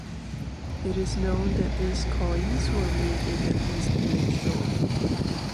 It is known that these coins were made in at least Lingshou.